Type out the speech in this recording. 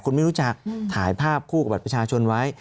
คุณไม่รู้จักถ่ายภาพคู่กับบัตรประชาชนไว้